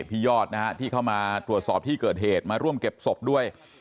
พี่ยอดนะฮะที่เข้ามาตรวจสอบที่เกิดเหตุมาร่วมเก็บศพด้วย